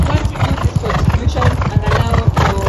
kuwa ndiye atakayerudi mwishoni mwa dunia kwa hukumu ya wote